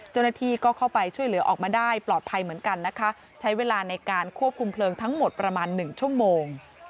เจ้าหน้าที่ก็เข้าไปช่วยเหลือออกมาได้ปลอดภัยเหมือนกันนะคะใช้เวลาในการควบคุมเพลิงทั้งหมดประมาณหนึ่งชั่วโมง